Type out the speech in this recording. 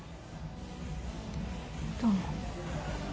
どうも。